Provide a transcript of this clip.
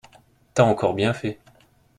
T’as encore bien fait…